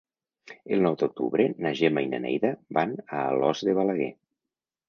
El nou d'octubre na Gemma i na Neida van a Alòs de Balaguer.